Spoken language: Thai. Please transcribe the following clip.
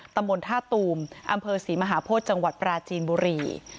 ตำบลท่าตูมอำเภอศรีมหาโพธิจังหวัดปราจีนบุรี